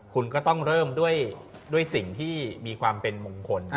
คุณก็ต้องเริ่มด้วยสิ่งที่มีความเป็นมงคล